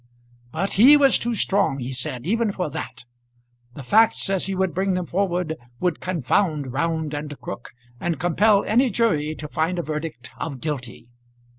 But he was too strong, he said, even for that. The facts as he would bring them forward would confound Round and Crook, and compel any jury to find a verdict of guilty.